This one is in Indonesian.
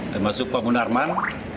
termasuk pak munarman